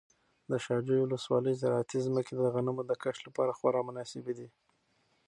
د شاجوی ولسوالۍ زراعتي ځمکې د غنمو د کښت لپاره خورا مناسبې دي.